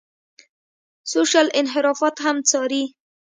سوشل انحرافات هم څاري.